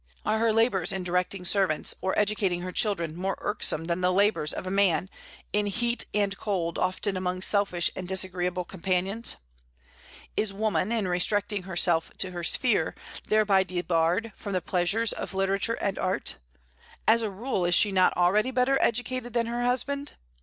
Are her labors in directing servants or educating her children more irksome than the labors of a man, in heat and cold, often among selfish and disagreeable companions? Is woman, in restricting herself to her sphere, thereby debarred from the pleasures of literature and art? As a rule, is she not already better educated than her husband?